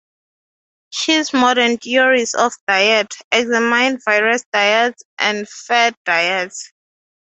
His "Modern Theories of Diet" examined various diets and fad diets.